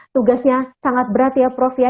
tugasnya sangat berat ya prof ya